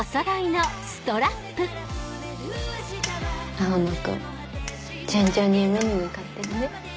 青野君順調に夢に向かってるね。